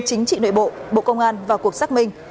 chính trị nội bộ bộ công an vào cuộc xác minh